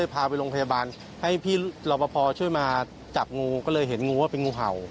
พี่รอบพอช่วยมาจับงูก็เลยเห็นงูว่าเป็นงูเห่า